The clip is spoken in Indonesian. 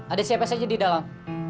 ada siapa saja di dalam